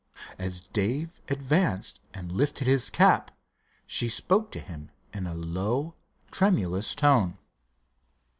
As Dave advanced and lifted his cap she spoke to him in a low, tremulous tone.